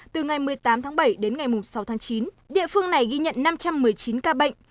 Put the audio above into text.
từ ngày một mươi tám tháng bảy đến ngày sáu tháng chín địa phương này ghi nhận năm trăm một mươi chín ca bệnh